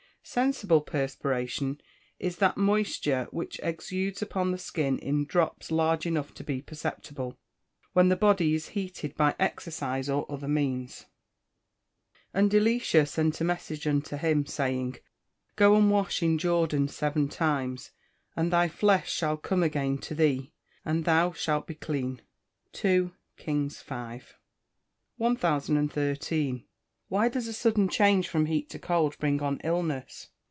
_ Sensible perspiration is that moisture which exudes upon the skin in drops large enough to be perceptible, when the body is heated by exercise or other means. [Verse: "And Elisha sent a message unto him, saying, Go and wash in Jordan seven times, and thy flesh shall come again to thee, and thou shalt be clean." II KINGS V.] 1013. _Why does a sudden change from heat to cold bring on illness?